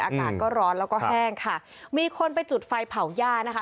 อากาศก็ร้อนแล้วก็แห้งค่ะมีคนไปจุดไฟเผาย่านะคะ